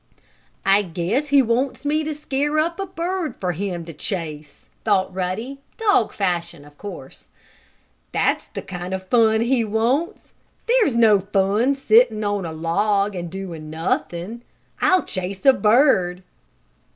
"I guess he wants me to scare up a bird for him to chase," thought Ruddy, dog fashion, of course. "That is the kind of fun he wants. There's no fun sitting on a log and doing nothing. I'll chase a bird!"